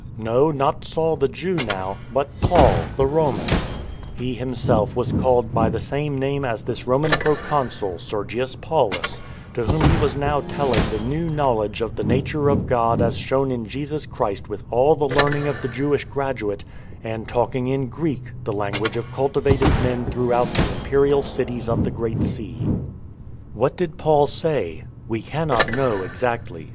" No, not Saul the Jew now, but Paul the Roman, He himself was called by the same name as this Roman proconsul, Sergius Paulus, to whom he was nov/ telling the new knowledge of the nature of God as shown in Jesus Christ with all the learning of the Jewish graduate, and talking in Greek, the language of cultivated men throughout the imperial cities of the Great Sea, What did Paul say? We cannot know exactly.